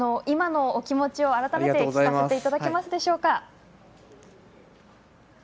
今のお気持ちを改めて聞かせていただけますでしょうか。